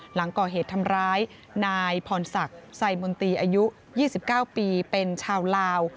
หลังก่อเหตุทำร้ายนายพรศักดิ์ไซมนตรีอายุ๒๙ปีเป็นชาวลาว